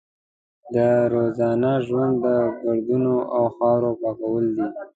د روزانه ژوند د ګردونو او خاورو پاکول دي.